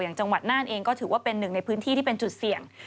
จังหวัดน่านเองก็ถือว่าเป็นหนึ่งในพื้นที่ที่เป็นจุดเสี่ยง